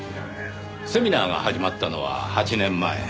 セミナーが始まったのは８年前。